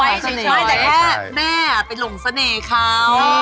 ไม่แต่แค่แม่ไปหลงเสน่ห์เขา